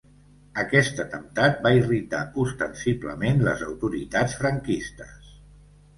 Aquest atemptat va irritar ostensiblement les autoritats franquistes.